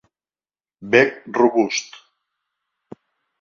Bec robust.